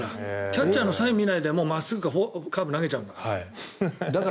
キャッチャーのサインを見ないでカーブを投げちゃうんだから。